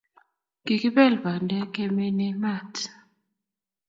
Kikibel bandek ke mene maat